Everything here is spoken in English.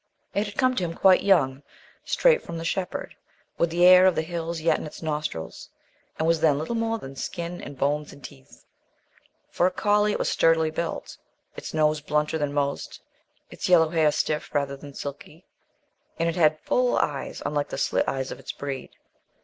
It had come to him quite young, straight from the shepherd, with the air of the hills yet in its nostrils, and was then little more than skin and bones and teeth. For a collie it was sturdily built, its nose blunter than most, its yellow hair stiff rather than silky, and it had full eyes, unlike the slit eyes of its breed.